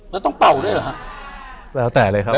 แล้วต้องเป่าด้วยหรอ